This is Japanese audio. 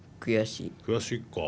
悔しいか。